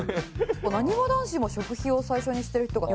なにわ男子も食費を最初にしてる人が４人ですね。